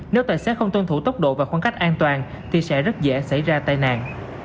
nếu tài xế không tuân thủ tốc độ và khoảng cách an toàn thì sẽ rất dễ xảy ra tai nạn